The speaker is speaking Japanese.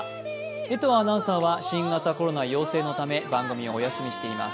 江藤アナウンサーは新型コロナ陽性のため番組をお休みしています。